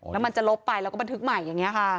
แล้วมันจะลบไปแล้วก็บันทึกใหม่อย่างนี้ค่ะ